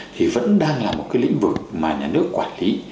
thì vẫn đang là một cái lĩnh vực mà nhà nước quản lý